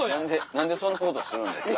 何でそんなことするんですか？